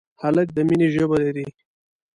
هلک د مینې ژبه لري.